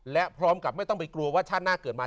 และพร้อมกับไม่ต้องไปกลัวว่าชาติหน้าเกิดมา